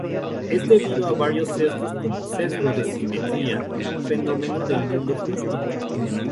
Es debida a varios sesgos como sesgo de simetría, fenómeno del mundo justo.